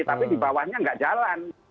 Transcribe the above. tapi di bawahnya nggak jalan